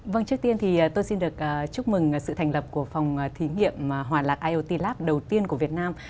vâng trước tiên thì tôi xin được chúc mừng sự thành lập của phòng thí nghiệm hòa lạc iot lap đầu tiên của việt nam